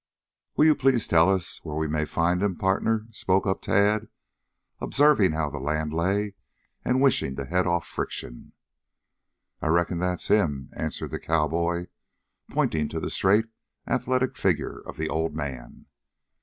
"Will you please tell us where we may find him, pardner?" spoke up Tad, observing how the land lay and wishing to head off friction. "I reckon that's him," answered the cowboy, pointing to the straight, athletic figure of the old man.